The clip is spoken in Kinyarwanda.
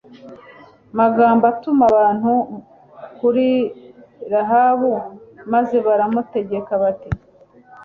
magambo atuma abantu kuri Rahabu maze baramutegeka bati